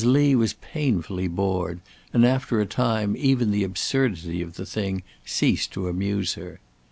Lee was painfully bored, and after a time even the absurdity of the thing ceased to amuse her.